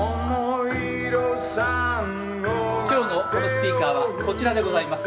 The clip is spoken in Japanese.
今日のこのスピーカーはこちらでございます。